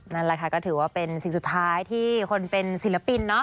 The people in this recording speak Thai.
นั่นแหละค่ะก็ถือว่าเป็นสิ่งสุดท้ายที่คนเป็นศิลปินเนาะ